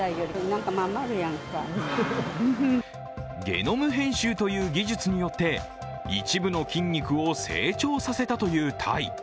ゲノム編集という技術によって一部の筋肉を成長させたという鯛。